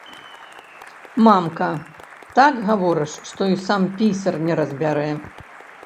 Мамка, так гаворыш, што і сам пісар не разбярэ.